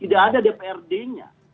tidak ada dprd nya